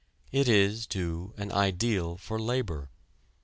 It is, too, an ideal for labor.